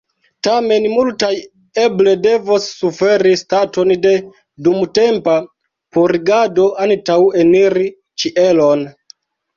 Tamen, multaj eble devos suferi staton de dumtempa purigado antaŭ eniri ĉielon.